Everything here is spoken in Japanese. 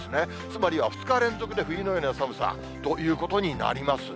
つまりは、２日連続で冬のような寒さということになります。